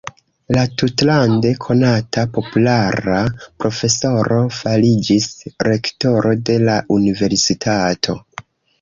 La tutlande konata, populara profesoro fariĝis rektoro de la universitato.